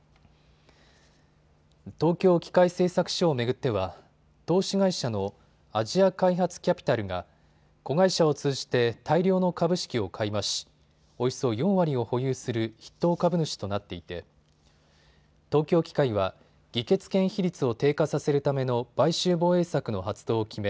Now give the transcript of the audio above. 東京機械製作所を巡っては投資会社のアジア開発キャピタルが子会社を通じて大量の株式を買い増しおよそ４割を保有する筆頭株主となっていて東京機械は議決権比率を低下させるための買収防衛策の発動を決め